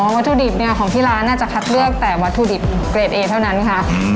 วัตถุดิบเนี่ยของที่ร้านน่าจะคัดเลือกแต่วัตถุดิบเกรดเอเท่านั้นค่ะ